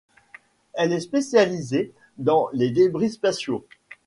Elle est spécialisée dans les débris spatiaux.